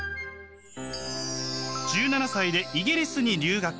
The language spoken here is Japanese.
１７歳でイギリスに留学。